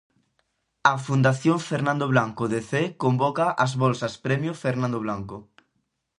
A Fundación Fernando Blanco de Cee convoca as bolsas-premio Fernando Blanco.